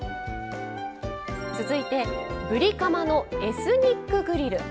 続いてぶりカマのエスニックグリル。